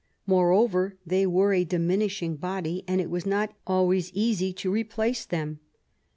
Moreover they were a diminishing body, and it was not always easy to replace them.